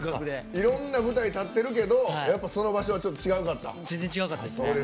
いろんな舞台に立ってるけどやっぱその場所は違うかった。